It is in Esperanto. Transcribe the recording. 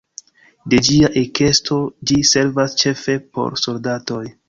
De ĝia ekesto ĝi servas ĉefe por soldatoj.